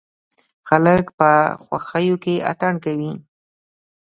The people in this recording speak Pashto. خلک په خوښيو کې اتڼ کوي.